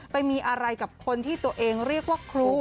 ไปมีอะไรกับคนที่ตัวเองเรียกว่าครู